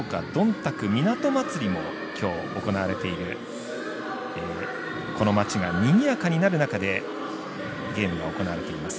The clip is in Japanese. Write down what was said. たくみなと祭りも今日、行われているこの町がにぎやかになる中でゲームが行われています。